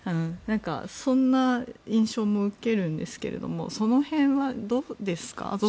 そんな印象も受けるんですけれどもその辺はどうですか？